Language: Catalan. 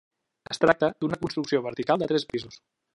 Es tracta d'una construcció vertical de tres pisos.